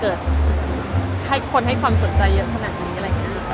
คราวนี้แล้วหลังก็เริ่มบอก